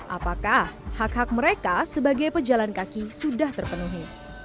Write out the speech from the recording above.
apakah hak hak mereka sebagai pejalan kaki sudah terpenuhi